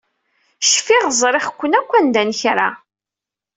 Cfiɣ ẓriɣ-ken akk anda n kra.